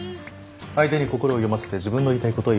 相手に心を読ませて自分の言いたいことを言わせた。